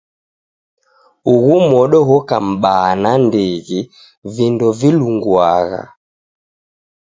Ughu modo ghoka m'baa nandighi, vindo vilunguagha!